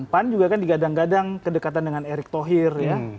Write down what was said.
pan juga kan digadang gadang kedekatan dengan erick thohir ya